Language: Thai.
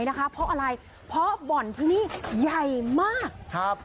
เพราะเบาะว่านยุดที่ของที่นี่อย่ามาก